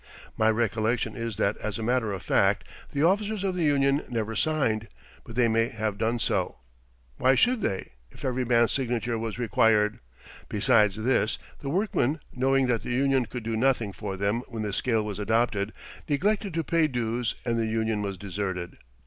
My recollection is that as a matter of fact the officers of the union never signed, but they may have done so. Why should they, if every man's signature was required? Besides this, the workmen, knowing that the union could do nothing for them when the scale was adopted, neglected to pay dues and the union was deserted.